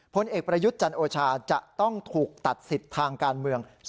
ผลเอกประยุทธ์จันโอชาจะต้องถูกตัดสิทธิ์ทางการเมือง